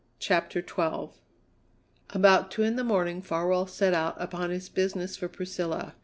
CHAPTER XII About two in the morning Farwell set out upon his business for Priscilla.